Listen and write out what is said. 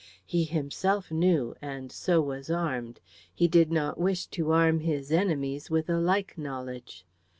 He himself knew, and so was armed; he did not wish to arm his enemies with a like knowledge.